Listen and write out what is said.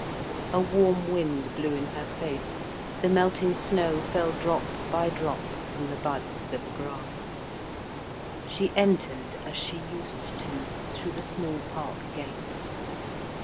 A warm wind blew in her face; the melting snow fell drop by drop from the buds to the grass. She entered, as she used to, through the small park gate.